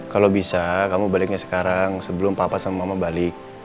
kalau bisa kamu baliknya sekarang sebelum papa sama mama balik